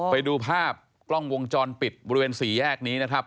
ไปดูภาพกล้องวงจรปิดบริเวณสี่แยกนี้นะครับ